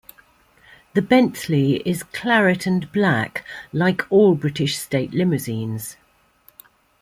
The Bentley is claret and black like all the British state limousines.